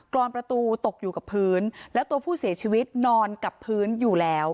รอนประตูตกอยู่กับพื้นแล้วตัวผู้เสียชีวิตนอนกับพื้นอยู่แล้ว